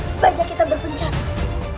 sebaiknya kita berpencang